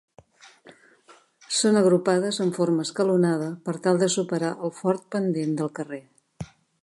Són agrupades en forma escalonada per tal de superar el fort pendent del carrer.